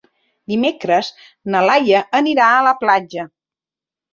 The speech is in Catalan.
Dimecres na Laia anirà a la platja.